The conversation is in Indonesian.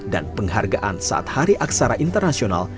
dan penghargaan saat hari aksara internasional